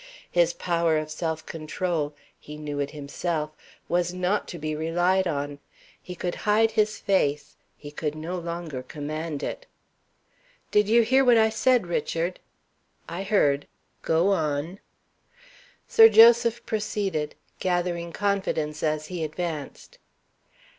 His power of self control he knew it himself was not to be relied on. He could hide his face: he could no longer command it. "Did you hear what I said, Richard?" "I heard. Go on." Sir Joseph proceeded, gathering confidence as he advanced.